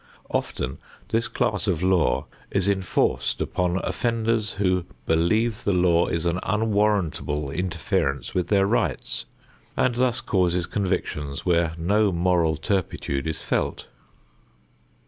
Often this class of laws is enforced upon offenders who believe the law is an unwarrantable interference with their rights, and thus causes convictions where no moral turpitude is felt.